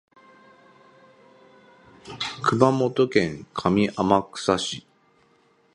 熊本県上天草市